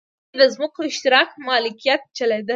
په لوېدیځ کې د ځمکو اشتراکي مالکیت چلېده.